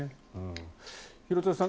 廣津留さん